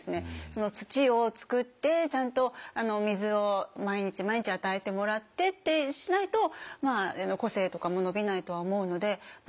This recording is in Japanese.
その土を作ってちゃんと水を毎日毎日与えてもらってってしないと個性とかも伸びないとは思うので。